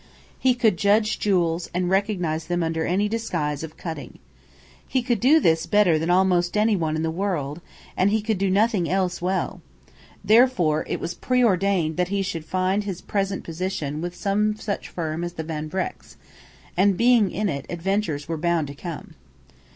He could judge jewels and recognize them under any disguise of cutting. He could do this better than almost any one in the world, and he could do nothing else well; therefore it was preordained that he should find his present position with some such firm as the Van Vrecks; and, being in it, adventures were bound to come.